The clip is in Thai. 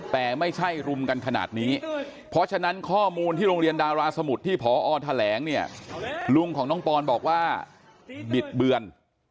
แต่ไม่ใช่รุมกันขนาดนี้เพราะฉะนั้นข้อมูลที่โรงเรียนดาราสมุทรที่พอแถลงเนี่ยลุงของน้องปอนบอกว่าบิดเบือน